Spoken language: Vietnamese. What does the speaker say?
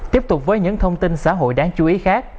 tiếp tục với những thông tin xã hội đáng chú ý khác